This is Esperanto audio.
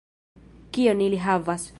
Kion ili havas